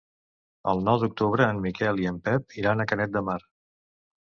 El nou d'octubre en Miquel i en Pep iran a Canet de Mar.